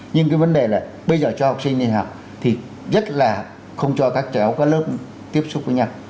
nhưng cái vấn đề là bây giờ cho học sinh đi học thì rất là không cho các cháu có lớp tiếp xúc với nhau